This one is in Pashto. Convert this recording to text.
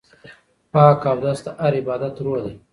پاک اودس د هر عبادت روح دی.